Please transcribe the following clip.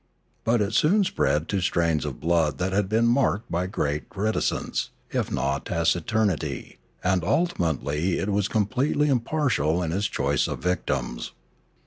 But it soon spread to strains of blood that had been marked by great reti cence, if not taciturnity, and ultimately it was com pletely impartial in its choice of victims.